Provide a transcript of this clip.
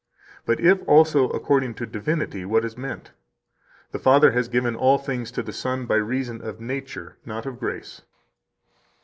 But if [also] according to divinity, what is meant? The Father has given all things to the Son by reason of nature, not of grace."